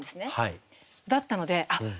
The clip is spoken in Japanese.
だったのであっ「猫の恋」